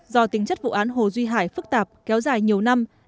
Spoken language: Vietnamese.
do tính chất vụ án hồ duy hải phức tạp kéo dài nhiều năm